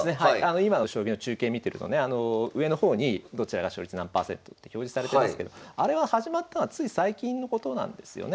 今の将棋の中継見てるとね上の方にどちらが勝率何％って表示されてますけどあれは始まったのはつい最近のことなんですよね。